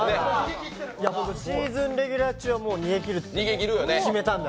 僕、シーズンレギュラー中は逃げきるって決めたんで。